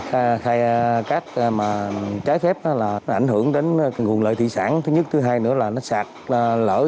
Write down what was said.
tình trạng khai cát mà trái phép là ảnh hưởng đến nguồn lợi thị sản thứ nhất thứ hai nữa là nó sạc lỡ